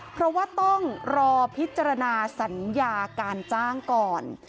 เพราะว่าต้องรอพิจารณาสัญญาการจ้างก่อน